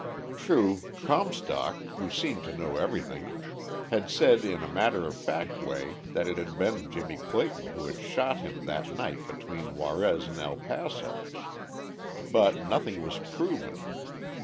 True, Comstock, who seemed to know everything, had said in a matter of fact way that it had been Jimmie Clayton who had shot him that night between Juarez and El Paso. But nothing was proven.